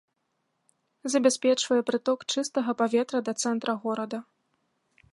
Забяспечвае прыток чыстага паветра да цэнтра горада.